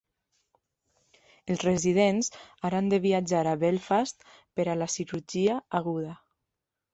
Els residents ara han de viatjar a Belfast per a la cirurgia aguda.